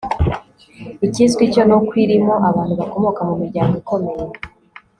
ikizwi cyo ni uko irimo abantu bakomoka mu miryango ikomeye